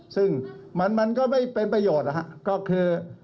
ซึ่งมันก็ไม่เป็นประโยชน์นะครับก็คือ